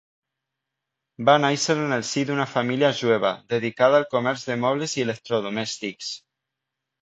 Va néixer en el si d'una família jueva dedicada al comerç de mobles i electrodomèstics.